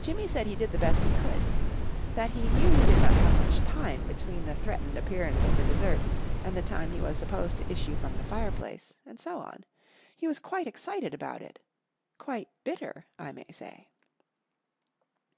Jimmy said he did the best he could; that he knew he did not have much time between the threatened appearance of the dessert and the time he was supposed to issue from the fireplace and so on! He was quite excited about it. Quite bitter, I may say.